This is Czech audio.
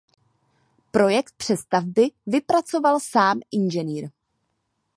Projekt přestavby vypracoval sám ing.